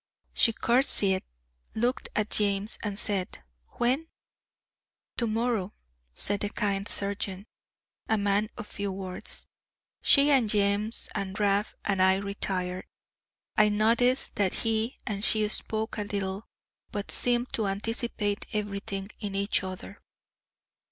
She curtsied, looked at James, and said, "When?" "To morrow," said the kind surgeon a man of few words. She and James and Rab and I retired. I noticed that he and she spoke a little, but seemed to anticipate everything in each other.